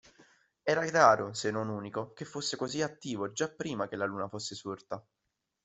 Era raro, se non unico, che fosse così attivo già prima che la luna fosse sorta.